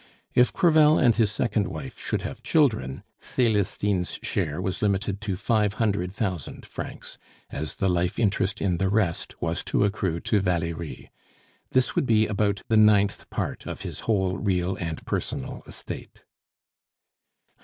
If Crevel and his second wife should have children, Celestine's share was limited to five hundred thousand francs, as the life interest in the rest was to accrue to Valerie. This would be about the ninth part of his whole real and personal estate.